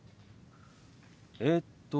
えっと。